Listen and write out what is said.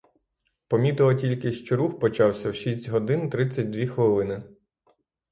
Помітила тільки, що рух почався в шість годин тридцять дві хвилини.